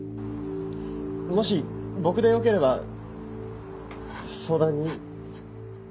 もし僕でよければ相談に。